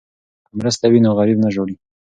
که مرسته وي نو غریب نه ژاړي.